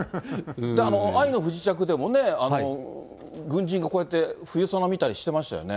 愛の不時着でもね、軍人がこうやって、ふゆそなみたいにしてましたよね。